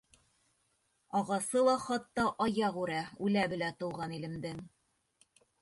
Ағасы ла хатта аяғүрә Үлә белә Тыуған илемдең...